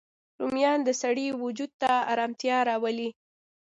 رومیان د سړی وجود ته ارامتیا راولي